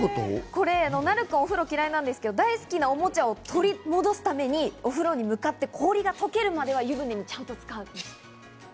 なるくん、お風呂嫌いなんですけど、大好きなおもちゃを取り戻すために、お風呂に向かって氷が溶けるまでは湯船にちゃんとつかる。